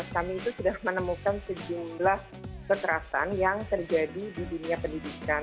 kami itu sudah menemukan sejumlah kekerasan yang terjadi di dunia pendidikan